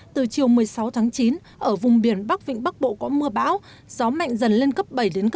từ chiều một mươi sáu chín ở vùng biển bắc vĩnh bắc bộ có mưa bão gió mạnh dần lên cấp bảy tám